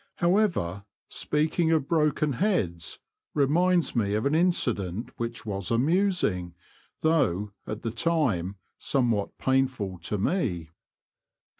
However, speaking of broken heads reminds me of an incident which was amusing, though, at the time, somewhat pain ful to me.